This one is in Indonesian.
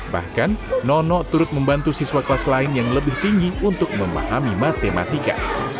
bahkan nono turut membantu siswa kelas lain yang lebih tinggi untuk memahami matematika